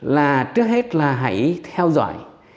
là trước hết là hãy theo dõi